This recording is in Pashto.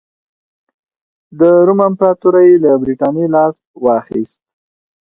د روم امپراتورۍ له برېټانیا لاس واخیست